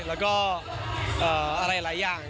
แล้วก็อะไรหลายอย่าง